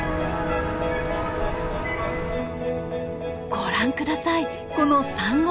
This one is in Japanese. ご覧下さいこの珊瑚礁。